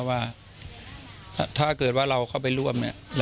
ว่าถ้าเกิดว่าเราเข้าไปร่วม